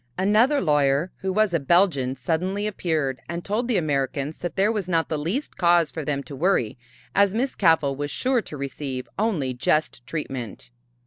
Another lawyer, who was a Belgian, suddenly appeared and told the Americans that there was not the least cause for them to worry as Miss Cavell was sure to receive only just treatment.